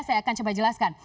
saya akan coba jelaskan